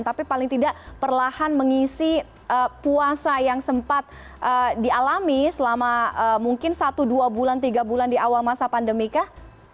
tapi paling tidak perlahan mengisi puasa yang sempat dialami selama mungkin satu dua bulan tiga bulan di awal masa pandemi kah